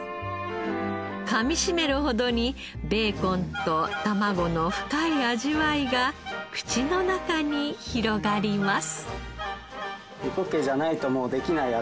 かみしめるほどにベーコンと卵の深い味わいが口の中に広がります。